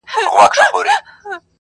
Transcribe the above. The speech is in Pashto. جنازې دي د بګړیو هدیرې دي چي ډکیږي-